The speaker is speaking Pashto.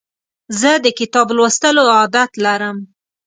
زه د کتاب لوستلو عادت لرم.